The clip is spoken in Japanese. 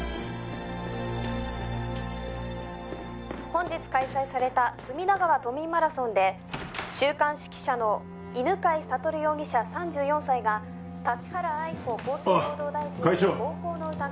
「本日開催された隅田川都民マラソンで週刊誌記者の犬飼悟容疑者３４歳が立原愛子厚生労働大臣への」あっ会長。